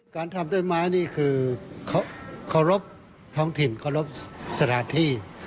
การทำด้วยไม้นี่คือขอรบท้องถิ่นขอรบสถาที่